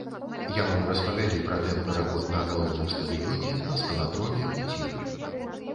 Яму распавялі пра тэмпы работ на галоўным стадыёне, на скаладроме, у ціры.